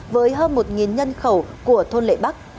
với hơn một nhân khẩu của thôn lệ bắc